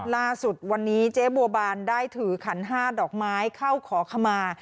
ล่าสุดวันนี้เจ๊บัวบานได้ถือขันห้าดอกไม้เข้าขอขมา